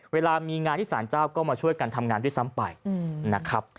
เวลามีงานที่สารเจ้าก็มาช่วยกันทำงานด้วยซ้ำไปนะครับ